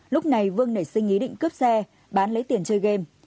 lúc này vương nảy sinh ý định cướp xe bán lấy tiền chơi game